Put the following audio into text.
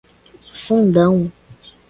Fundão